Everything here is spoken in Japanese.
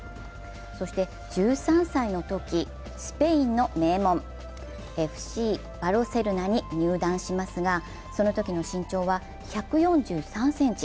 そして１３歳のとき、スペインの名門ＦＣバルセロナに入団しますが、そのときの身長は１４３ｃｍ。